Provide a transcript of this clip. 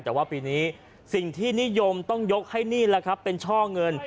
แต่ว่าปีนี้สิ่งที่นิยมต้องยกให้นี่แหละครับเป็นช่อเงิน